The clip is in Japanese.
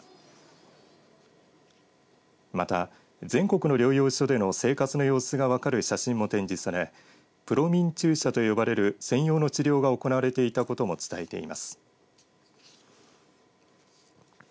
また全国の療養所での生活の様子が分かる写真も展示されプロミン注射と呼ばれる専用の治療が行われていたことも伝えています。